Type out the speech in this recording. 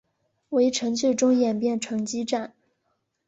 围城最终演变成激战。